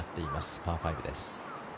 パー５です。